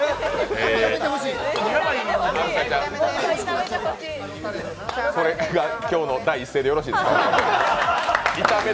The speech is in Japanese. えーはるかちゃん、それが今日の第一声でよろしいですか？